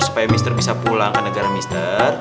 supaya mr bisa pulang ke negara mr